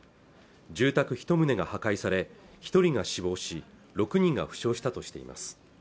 住宅一棟が破壊され一人が死亡し６人が負傷したとしています